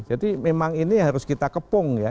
jadi memang ini harus kita kepung ya